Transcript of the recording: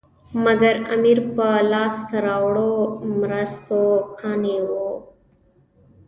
مګر امیر په لاسته راوړو مرستو قانع وو.